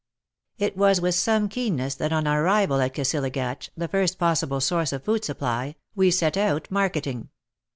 It was with some keenness that on ar rival at Kisilagatch — the first possible source of food supply — we set out marketing.